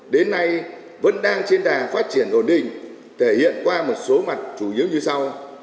đến nay vẫn đang trên đà phát triển ổn định thể hiện qua một số mặt chủ yếu như sau